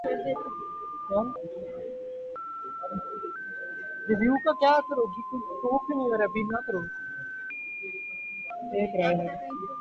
ایک رائے ہے۔